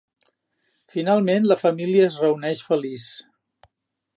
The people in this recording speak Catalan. Finalment la família es reuneix feliç.